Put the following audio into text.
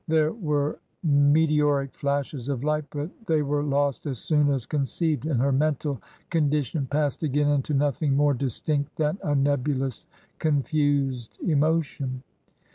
There were mete oric flashes of light, but they were lost as soon as con ceived, and her mental condition passed again into nothing more distinct than a nebulous confused emotion.